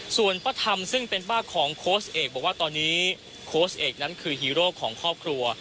ส่วนป้าทำซึ่งเป็นป้าของโค้ชเอกบอกว่าตอนนี้โค้ชเอกนั้นคือฮีโร่ของครอบครัว